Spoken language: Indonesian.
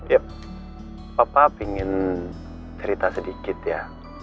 ya papa ingin cerita sedikit ya